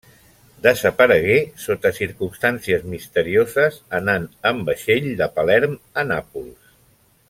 Desaparegué sota circumstàncies misterioses anant en vaixell de Palerm a Nàpols.